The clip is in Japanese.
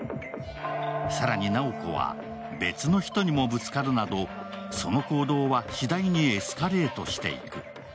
更に直子は別の人にもぶつかるなどその行動は次第にエスカレートしていく。